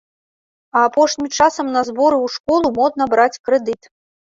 А апошнім часам на зборы ў школу модна браць крэдыт.